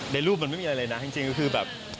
รูปมันไม่มีอะไรนะจริงคือแบบ